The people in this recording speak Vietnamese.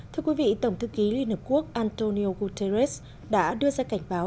thưa quý vị tổng thư ký liên hợp quốc antonio guterres đã đưa ra cảnh báo